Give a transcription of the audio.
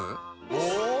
お！